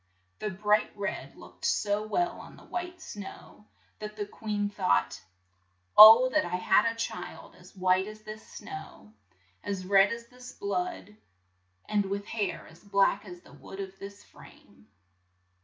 The bright red looked so well on the white snow, that the queen thought, "Oh, that I had a child as white as this snow, as red as this blood, and with hair as black as the wood of this frame."